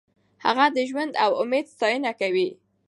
هغه د ژوند او امید ستاینه کوي.